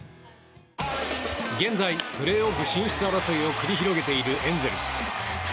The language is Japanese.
現在、プレーオフ進出争いを繰り広げているエンゼルス。